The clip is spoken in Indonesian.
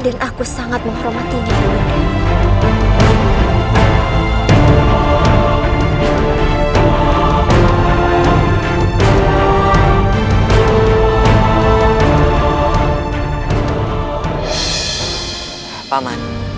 dan aku sangat menghormatinya ibu nera